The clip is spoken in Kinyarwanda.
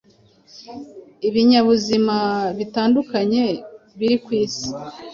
ibinyabuzima bitandukanye biri kwisi